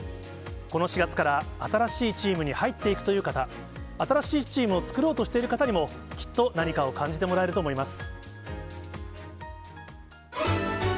この４月から新しいチームに入っていくという方、新しいチームを作ろうとしている方にも、きっと何かを感じてもらえると思います。